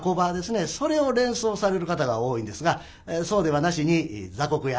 それを連想される方が多いんですがそうではなしに雑穀屋